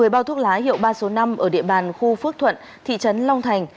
một mươi bao thuốc lá hiệu ba số năm ở địa bàn khu phước thuận thị trấn long thành